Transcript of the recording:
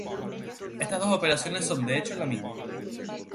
Estas dos operaciones son, de hecho, la misma.